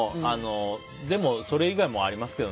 でも、それ以外もありますけど。